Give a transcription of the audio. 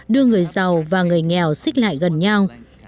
đưa người giàu và người nghèo xích lại gần nhau